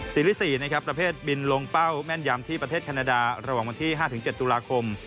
สีรีส์สี่นะครับประเภทบินลงเป้าแม่นยำที่ประเทศกรณาดาระหว่างวันที่ห้าถึงเจ็ดตุลาคม